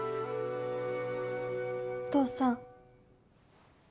お父さん。